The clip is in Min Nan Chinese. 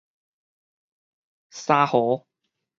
相和